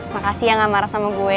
makasih ya gak marah sama gue